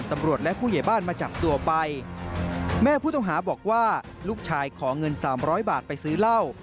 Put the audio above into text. แม่ผู้ต้องหาบอกว่าลูกชายขอเงิน๓๐๐บาทไปซื้อเหล้า